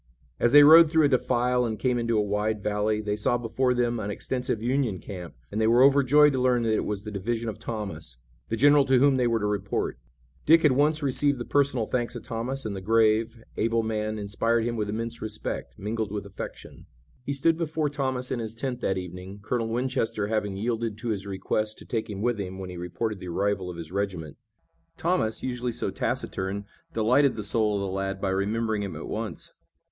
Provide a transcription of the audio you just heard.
As they rode through a defile and came into a wide valley they saw before them an extensive Union camp, and they were overjoyed to learn that it was the division of Thomas, the general to whom they were to report. Dick had once received the personal thanks of Thomas, and the grave, able man inspired him with immense respect, mingled with affection. He stood before Thomas in his tent that evening, Colonel Winchester having yielded to his request to take him with him when he reported the arrival of his regiment. Thomas, usually so taciturn, delighted the soul of the lad by remembering him at once.